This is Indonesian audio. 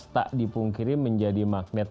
tak dipungkiri menjadi magnet